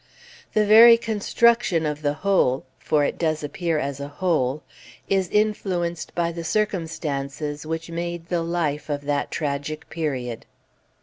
The very construction of the whole for it does appear as a whole is influenced by the circumstances which made the life of that tragic period.